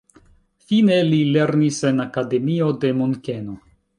Fine li lernis en akademio de Munkeno.